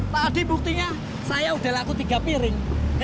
tadi buktinya saya sudah laku tiga piring